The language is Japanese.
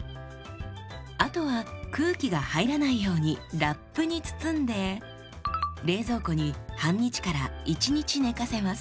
あとは空気が入らないようにラップに包んで冷蔵庫に半日１日寝かせます。